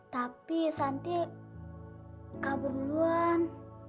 tapi santi kabur duluan